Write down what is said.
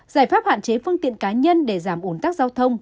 giải pháp hạn chế phương tiện cá nhân để giảm ổn tắc giao thông